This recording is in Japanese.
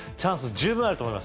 十分あると思います